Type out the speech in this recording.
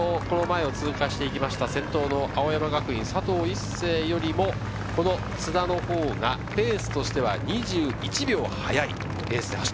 この前を通過していった、先頭の青山学院・佐藤一世よりも津田のほうがペースとしては２１秒速い。